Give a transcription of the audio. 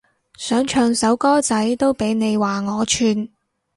想唱首歌仔都俾你話我串